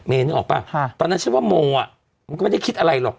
นึกออกป่ะตอนนั้นฉันว่าโมอ่ะมันก็ไม่ได้คิดอะไรหรอก